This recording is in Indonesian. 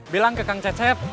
bilang ke kang cecep